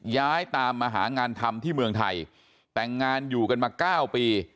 ย้ายตามมาหางานทำที่เมืองไทยแต่งงานอยู่กันมา๙ปี